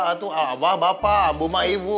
itu abah bapak abu emak ibu